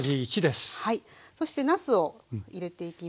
そしてなすを入れていきます。